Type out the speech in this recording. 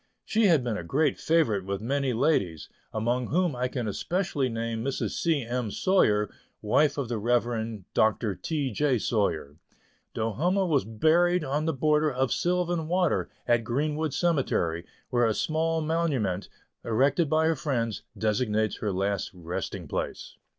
She had been a great favorite with many ladies, among whom I can especially name Mrs. C. M. Sawyer, wife of the Rev. Dr. T. J. Sawyer. Do humme was buried on the border of Sylvan Water, at Greenwood Cemetery, where a small monument, erected by her friends, designates her last resting place.